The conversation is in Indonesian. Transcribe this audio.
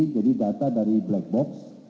jadi data dari black box